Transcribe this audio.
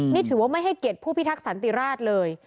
นี่ถือว่าไม่ให้เกียรติผู้พิทักษันติราชเลย